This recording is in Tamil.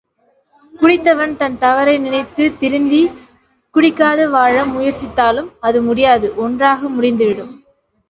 குடித்தவன் தன் தவறை நினைத்துத் திருந்திக் குடிக்காது வாழ முயற்சித்தாலும், அது முடியாத ஒன்றாக முடிந்துவிடும்.